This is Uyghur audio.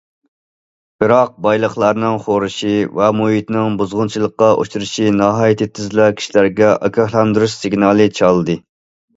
بىراق بايلىقلارنىڭ خورىشى ۋە مۇھىتنىڭ بۇزغۇنچىلىققا ئۇچرىشى ناھايىتى تېزلا كىشىلەرگە ئاگاھلاندۇرۇش سىگنالى چالدى.